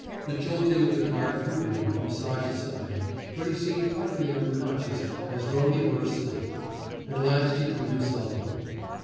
The jolting of the cart threw him from side to side; but he seemed utterly unconscious, as though he were asleep. At last he drew himself up.